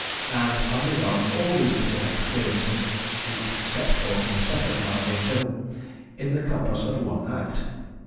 " and undergone all these little experiences (each set forth in a separate line in the bill) in the compass of one act.